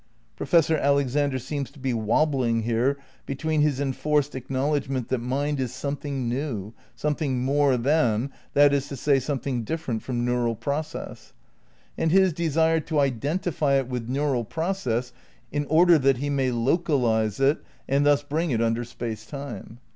Professor Alexander seems to be wobbling here between his enforced acknowledgment that mind is something new, something more than, that is to say, something different from neural process, and his desire to identify it with neural process in order that he may localize it and thus bring it under Space Time.